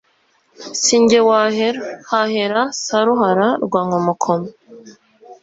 " Si jye wahera, hahera Saruhara rwa Nkomokomo"